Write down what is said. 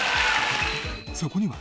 そこには